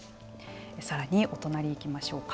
さらに、お隣に行きましょうか。